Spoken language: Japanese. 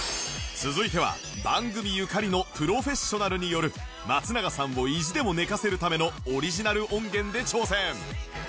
続いては番組ゆかりのプロフェッショナルによる松永さんを意地でも寝かせるためのオリジナル音源で挑戦